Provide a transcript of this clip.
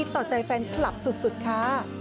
ต่อใจแฟนคลับสุดค่ะ